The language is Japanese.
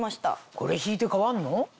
これ敷いて変わるの？